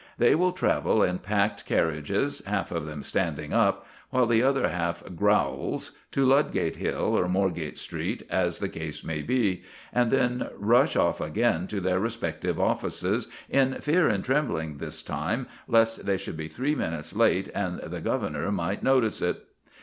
They will travel in packed carriages, half of them standing up, while the other half growls, to Ludgate Hill or Moorgate Street, as the case may be, and then rush off again to their respective offices, in fear and trembling this time lest they should be three minutes late and the "governor" might notice it.